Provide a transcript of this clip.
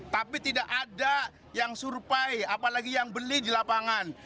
tapi tidak ada yang surpai apalagi yang beli di lapangan